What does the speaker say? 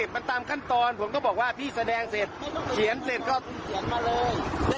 มันตามขั้นตอนผมก็บอกว่าพี่แสดงเสร็จเขียนเสร็จก็เขียนมาเลย